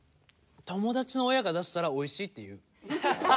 友達の親が出したらおいしいって言う。